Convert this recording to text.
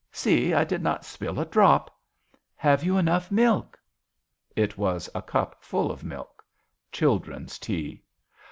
See, I did not spill a drop. Have you enough milk ?" It was a cup full of milk children's tea.